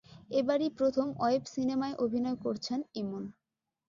এবারই প্রথম ওয়েব সিনেমায় অভিনয় করছেন ইমন।